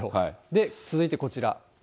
で、続いてこちら。